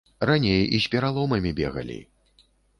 Раней і з пераломамі бегалі.